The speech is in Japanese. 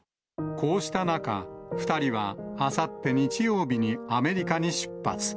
こうした中、２人はあさって日曜日にアメリカに出発。